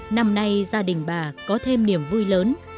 năm nay gia đình bà có thêm niềm vui lớn